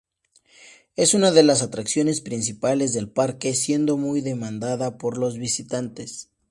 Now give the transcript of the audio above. Es una de las atracciones principales del parque, siendo muy demandada por los visitantes.